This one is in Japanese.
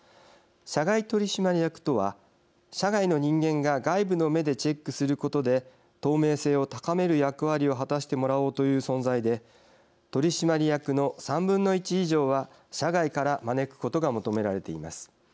社外取締役とは、社外の人間が外部の目でチェックすることで透明性を高める役割を果たしてもらおうという存在で取締役の３分の１以上は社外から招くことが求められています。